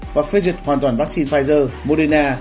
và phê duyệt hoàn toàn vaccine pfizer moderna